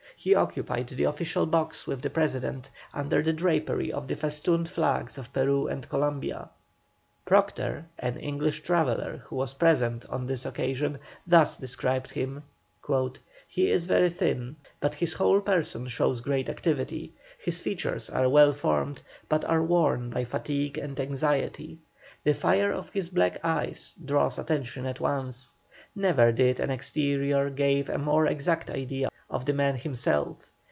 He occupied the official box with the President, under a drapery of the festooned flags of Peru and Columbia. Procter, an English traveller who was present on this occasion, thus describes him: "He is very thin, but his whole person shows great activity. His features are well formed, but are worn by fatigue and anxiety. The fire of his black eyes draws attention at once. Never did the exterior give a more exact idea of the man himself.